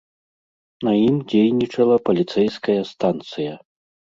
На ім дзейнічала паліцэйская станцыя.